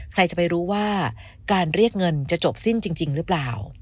ใครจะไปรู้ว่าการเรียกเงินจะจบสิ้นจริงหรือเปล่า